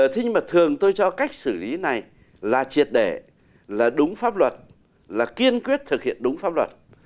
thế nhưng mà thường tôi cho cách xử lý này là triệt đẻ là đúng pháp luật là kiên quyết thực hiện đúng pháp luật